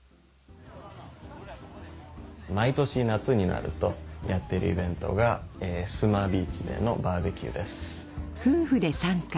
毎年夏になるとやっているイベントが須磨ビーチでのバーベキューです。